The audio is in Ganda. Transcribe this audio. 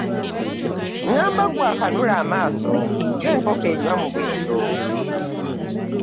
Ngamba ggwe akanula amaaso ng’enkoko enywa mu lwendo.